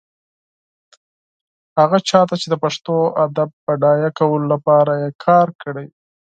هغه چا ته چې د پښتو ادب بډایه کولو لپاره يې کار کړی.